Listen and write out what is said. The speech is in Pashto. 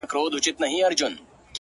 • د غم شپيلۍ راپسي مه ږغـوه ـ